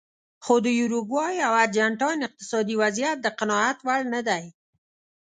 خو د یوروګوای او ارجنټاین اقتصادي وضعیت د قناعت وړ نه دی.